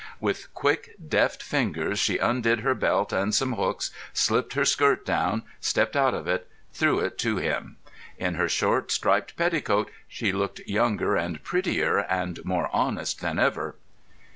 With quick, deft fingers she undid her belt and some hooks, slipped her skirt down, stepped out of it, and threw it at him. In her short, striped petticoat she looked younger and prettier and more honest than ever.